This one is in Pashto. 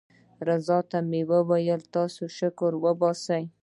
رضوان ته مې ویل تاسې شکر وباسئ.